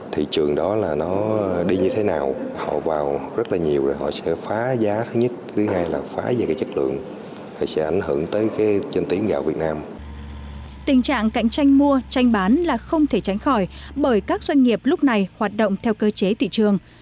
tình trạng cạnh tranh mua tranh bán là không thể tránh khỏi bởi các doanh nghiệp lúc này hoạt động theo cơ chế thị trường